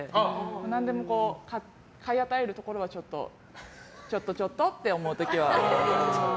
何でも買い与えるところはちょっとちょっとって思う時は。